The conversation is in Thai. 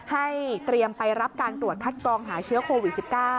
ให้เตรียมไปรับการตรวจคัดกรองหาเชื้อโควิด๑๙